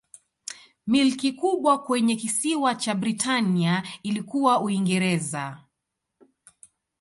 Milki kubwa kwenye kisiwa cha Britania ilikuwa Uingereza.